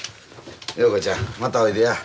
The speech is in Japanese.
陽子ちゃんまたおいでや。